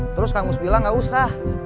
terus kang mus bilang gak usah